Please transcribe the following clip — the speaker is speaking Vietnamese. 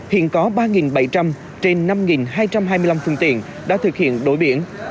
hiện có ba bảy trăm linh trên năm hai trăm hai mươi năm phương tiện đã thực hiện đổi biển